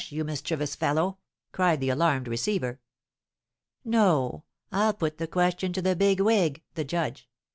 You mischievous fellow," cried the alarmed receiver. "No, I'll put the question to the big wig (the judge).